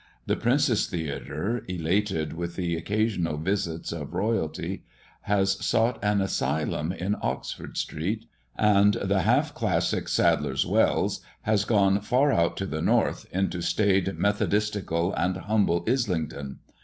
The Princess' theatre, elated with the occasional visits of royalty, has sought an asylum in Oxford street; and the half classic Sadler's Wells has gone far out to the north, into staid methodistical, and humble Islington.